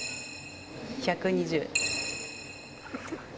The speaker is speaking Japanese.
１２０。